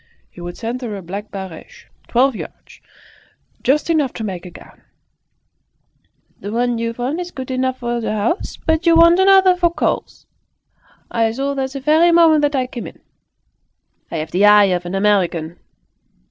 He would send her a black barege, twelve yards, just enough to make a gown. "The one you've on is good enough for the house, but you want another for calls. I saw that the very moment that I came in. I've the eye of an American!"